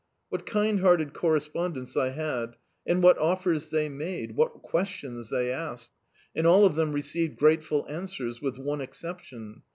What kind hearted correspondents I had, and what offers they made, what questions they asked ! and all of them received grateful answers — with one exception.